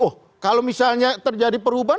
oh kalau misalnya terjadi perubahan